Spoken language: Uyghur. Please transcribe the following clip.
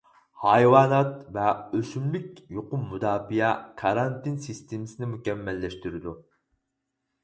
ھايۋانات ۋە ئۆسۈملۈك يۇقۇم مۇداپىئە، كارانتىن سىستېمىسىنى مۇكەممەللەشتۈرىدۇ.